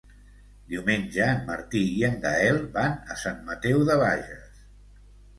Diumenge en Martí i en Gaël van a Sant Mateu de Bages.